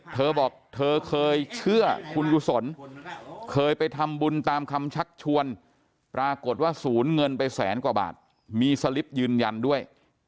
เธอบอกเธอเคยเชื่อคุณกุศลเคยไปทำบุญตามคำชักชวนปรากฏว่าศูนย์เงินไปแสนกว่าบาทมีสลิปยืนยันด้วย